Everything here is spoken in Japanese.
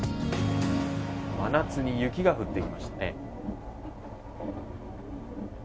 真夏に雪が降ってきましたね。